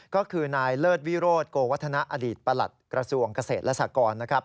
ก็คือนายเลิศวิโรธโกวัฒนาอดีตประหลัดกระทรวงเกษตรและสากรนะครับ